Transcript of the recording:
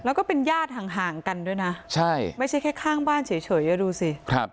แล้วก็เป็นญาติห่างกันด้วยนะใช่ไม่ใช่แค่ข้างบ้านเฉยดูสิครับ